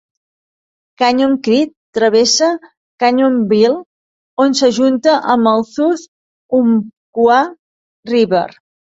Canyon Creek travessa Canyonville, on s'ajunta amb el South Umpqua River.